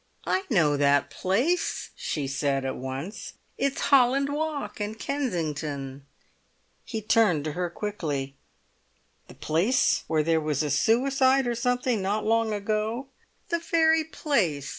"I know that place!" said she at once. "It's Holland Walk, in Kensington." He turned to her quickly. "The place where there was a suicide or something not long ago?" "The very place!"